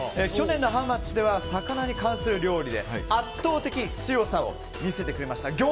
去年のハウマッチでは魚に関する料理で圧倒的強さを見せてくれました。